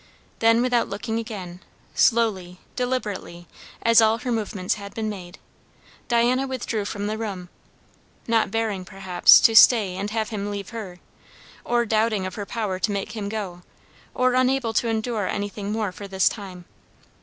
Then, without looking again, slowly, deliberately, as all her movements had been made, Diana withdrew from the room; not bearing, perhaps, to stay and have him leave her, or doubting of her power to make him go, or unable to endure anything more for this time.